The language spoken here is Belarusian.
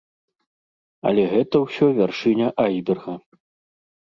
Але гэта ўсё вяршыня айсберга.